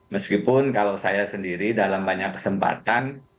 meskipun kalau saya sendiri dalam banyak kesempatan